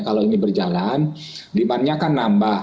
kalau ini berjalan demand nya akan nambah